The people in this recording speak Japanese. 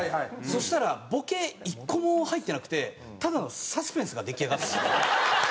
そしたらボケ１個も入ってなくてただのサスペンスが出来上がったんですよ。